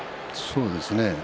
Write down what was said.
そうですね。